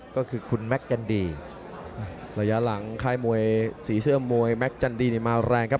ก็คือคุณแม็กซันดีระยะหลังค่ายมวยสีเสื้อมวยแม็กจันดีเนี่ยมาแรงครับ